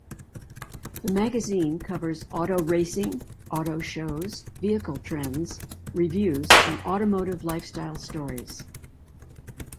The magazine covers auto racing, auto shows, vehicle trends, reviews and automotive lifestyle stories.